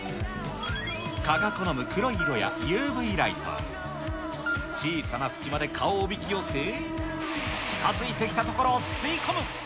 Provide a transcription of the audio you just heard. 蚊が好む黒い色やＵＶライト、小さな隙間で蚊をおびき寄せ、近づいてきたところを吸い込む。